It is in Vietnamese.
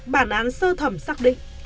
bản án sơ thẩm xác định